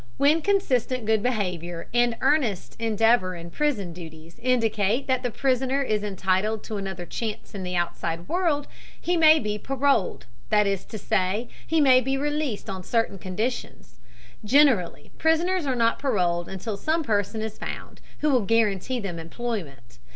When consistent good behavior and earnest endeavor in prison duties indicate that the prisoner is entitled to another chance in the outside world, he may be paroled, that is to say, he may be released on certain conditions. Generally prisoners are not paroled until some person is found who will guarantee them employment.